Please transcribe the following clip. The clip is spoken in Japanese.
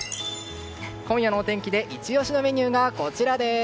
今夜のお天気でイチ押しのメニューがこちらです。